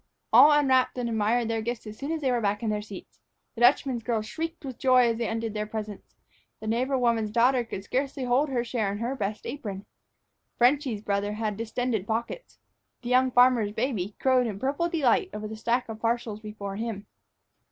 All unwrapped and admired their gifts as soon as they were back in their seats. The Dutchman's girls shrieked with joy as they undid their presents, the neighbor woman's daughter could scarcely hold her share in her best apron. "Frenchy's" brother had distended pockets. The young farmer's baby crowed in purple delight over the stack of parcels before him.